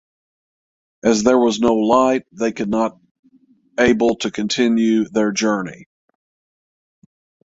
As there was no light they could not able to continue their journey.